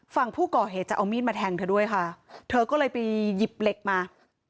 ฝั่งผู้ก่อเหตุจะเอามีดมาแทงเธอด้วยค่ะเธอก็เลยไปหยิบเหล็กมา